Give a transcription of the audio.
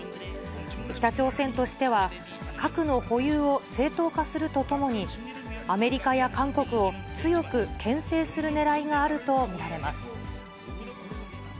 北朝鮮としては、核の保有を正当化するとともに、アメリカや韓国を強くけん制するねらいがあると見られます。